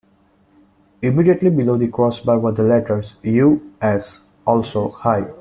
Immediately below the crossbar were the letters "U S", also high.